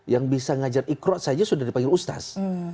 yang bisa mengajar ikhlas saja sudah dipanggil ustaz